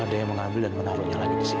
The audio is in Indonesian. ada yang mengambil dan menaruhnya lagi di sini